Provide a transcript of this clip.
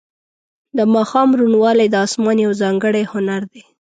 د ماښام روڼوالی د اسمان یو ځانګړی هنر دی.